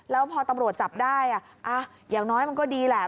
แล้วพอตำรวจจับได้อย่างน้อยมันก็ดีแหละ